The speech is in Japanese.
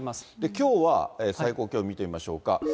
きょうは最高気温、見てみましょうか。